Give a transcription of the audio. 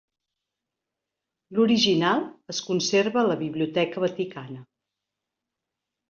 L'original es conserva a la Biblioteca Vaticana.